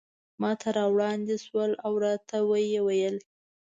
ماته را وړاندې شوه او راته ویې ویل.